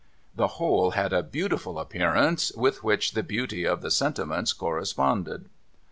The whole had a beautiful appearance, with which the beauty of the sentiments corresponded.